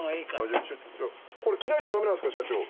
じゃあこれ着ないとダメなんすか社長。